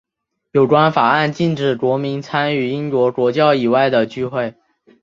有关法案禁止国民参与英国国教以外的聚会。